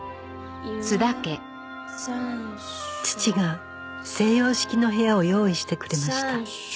父が西洋式の部屋を用意してくれました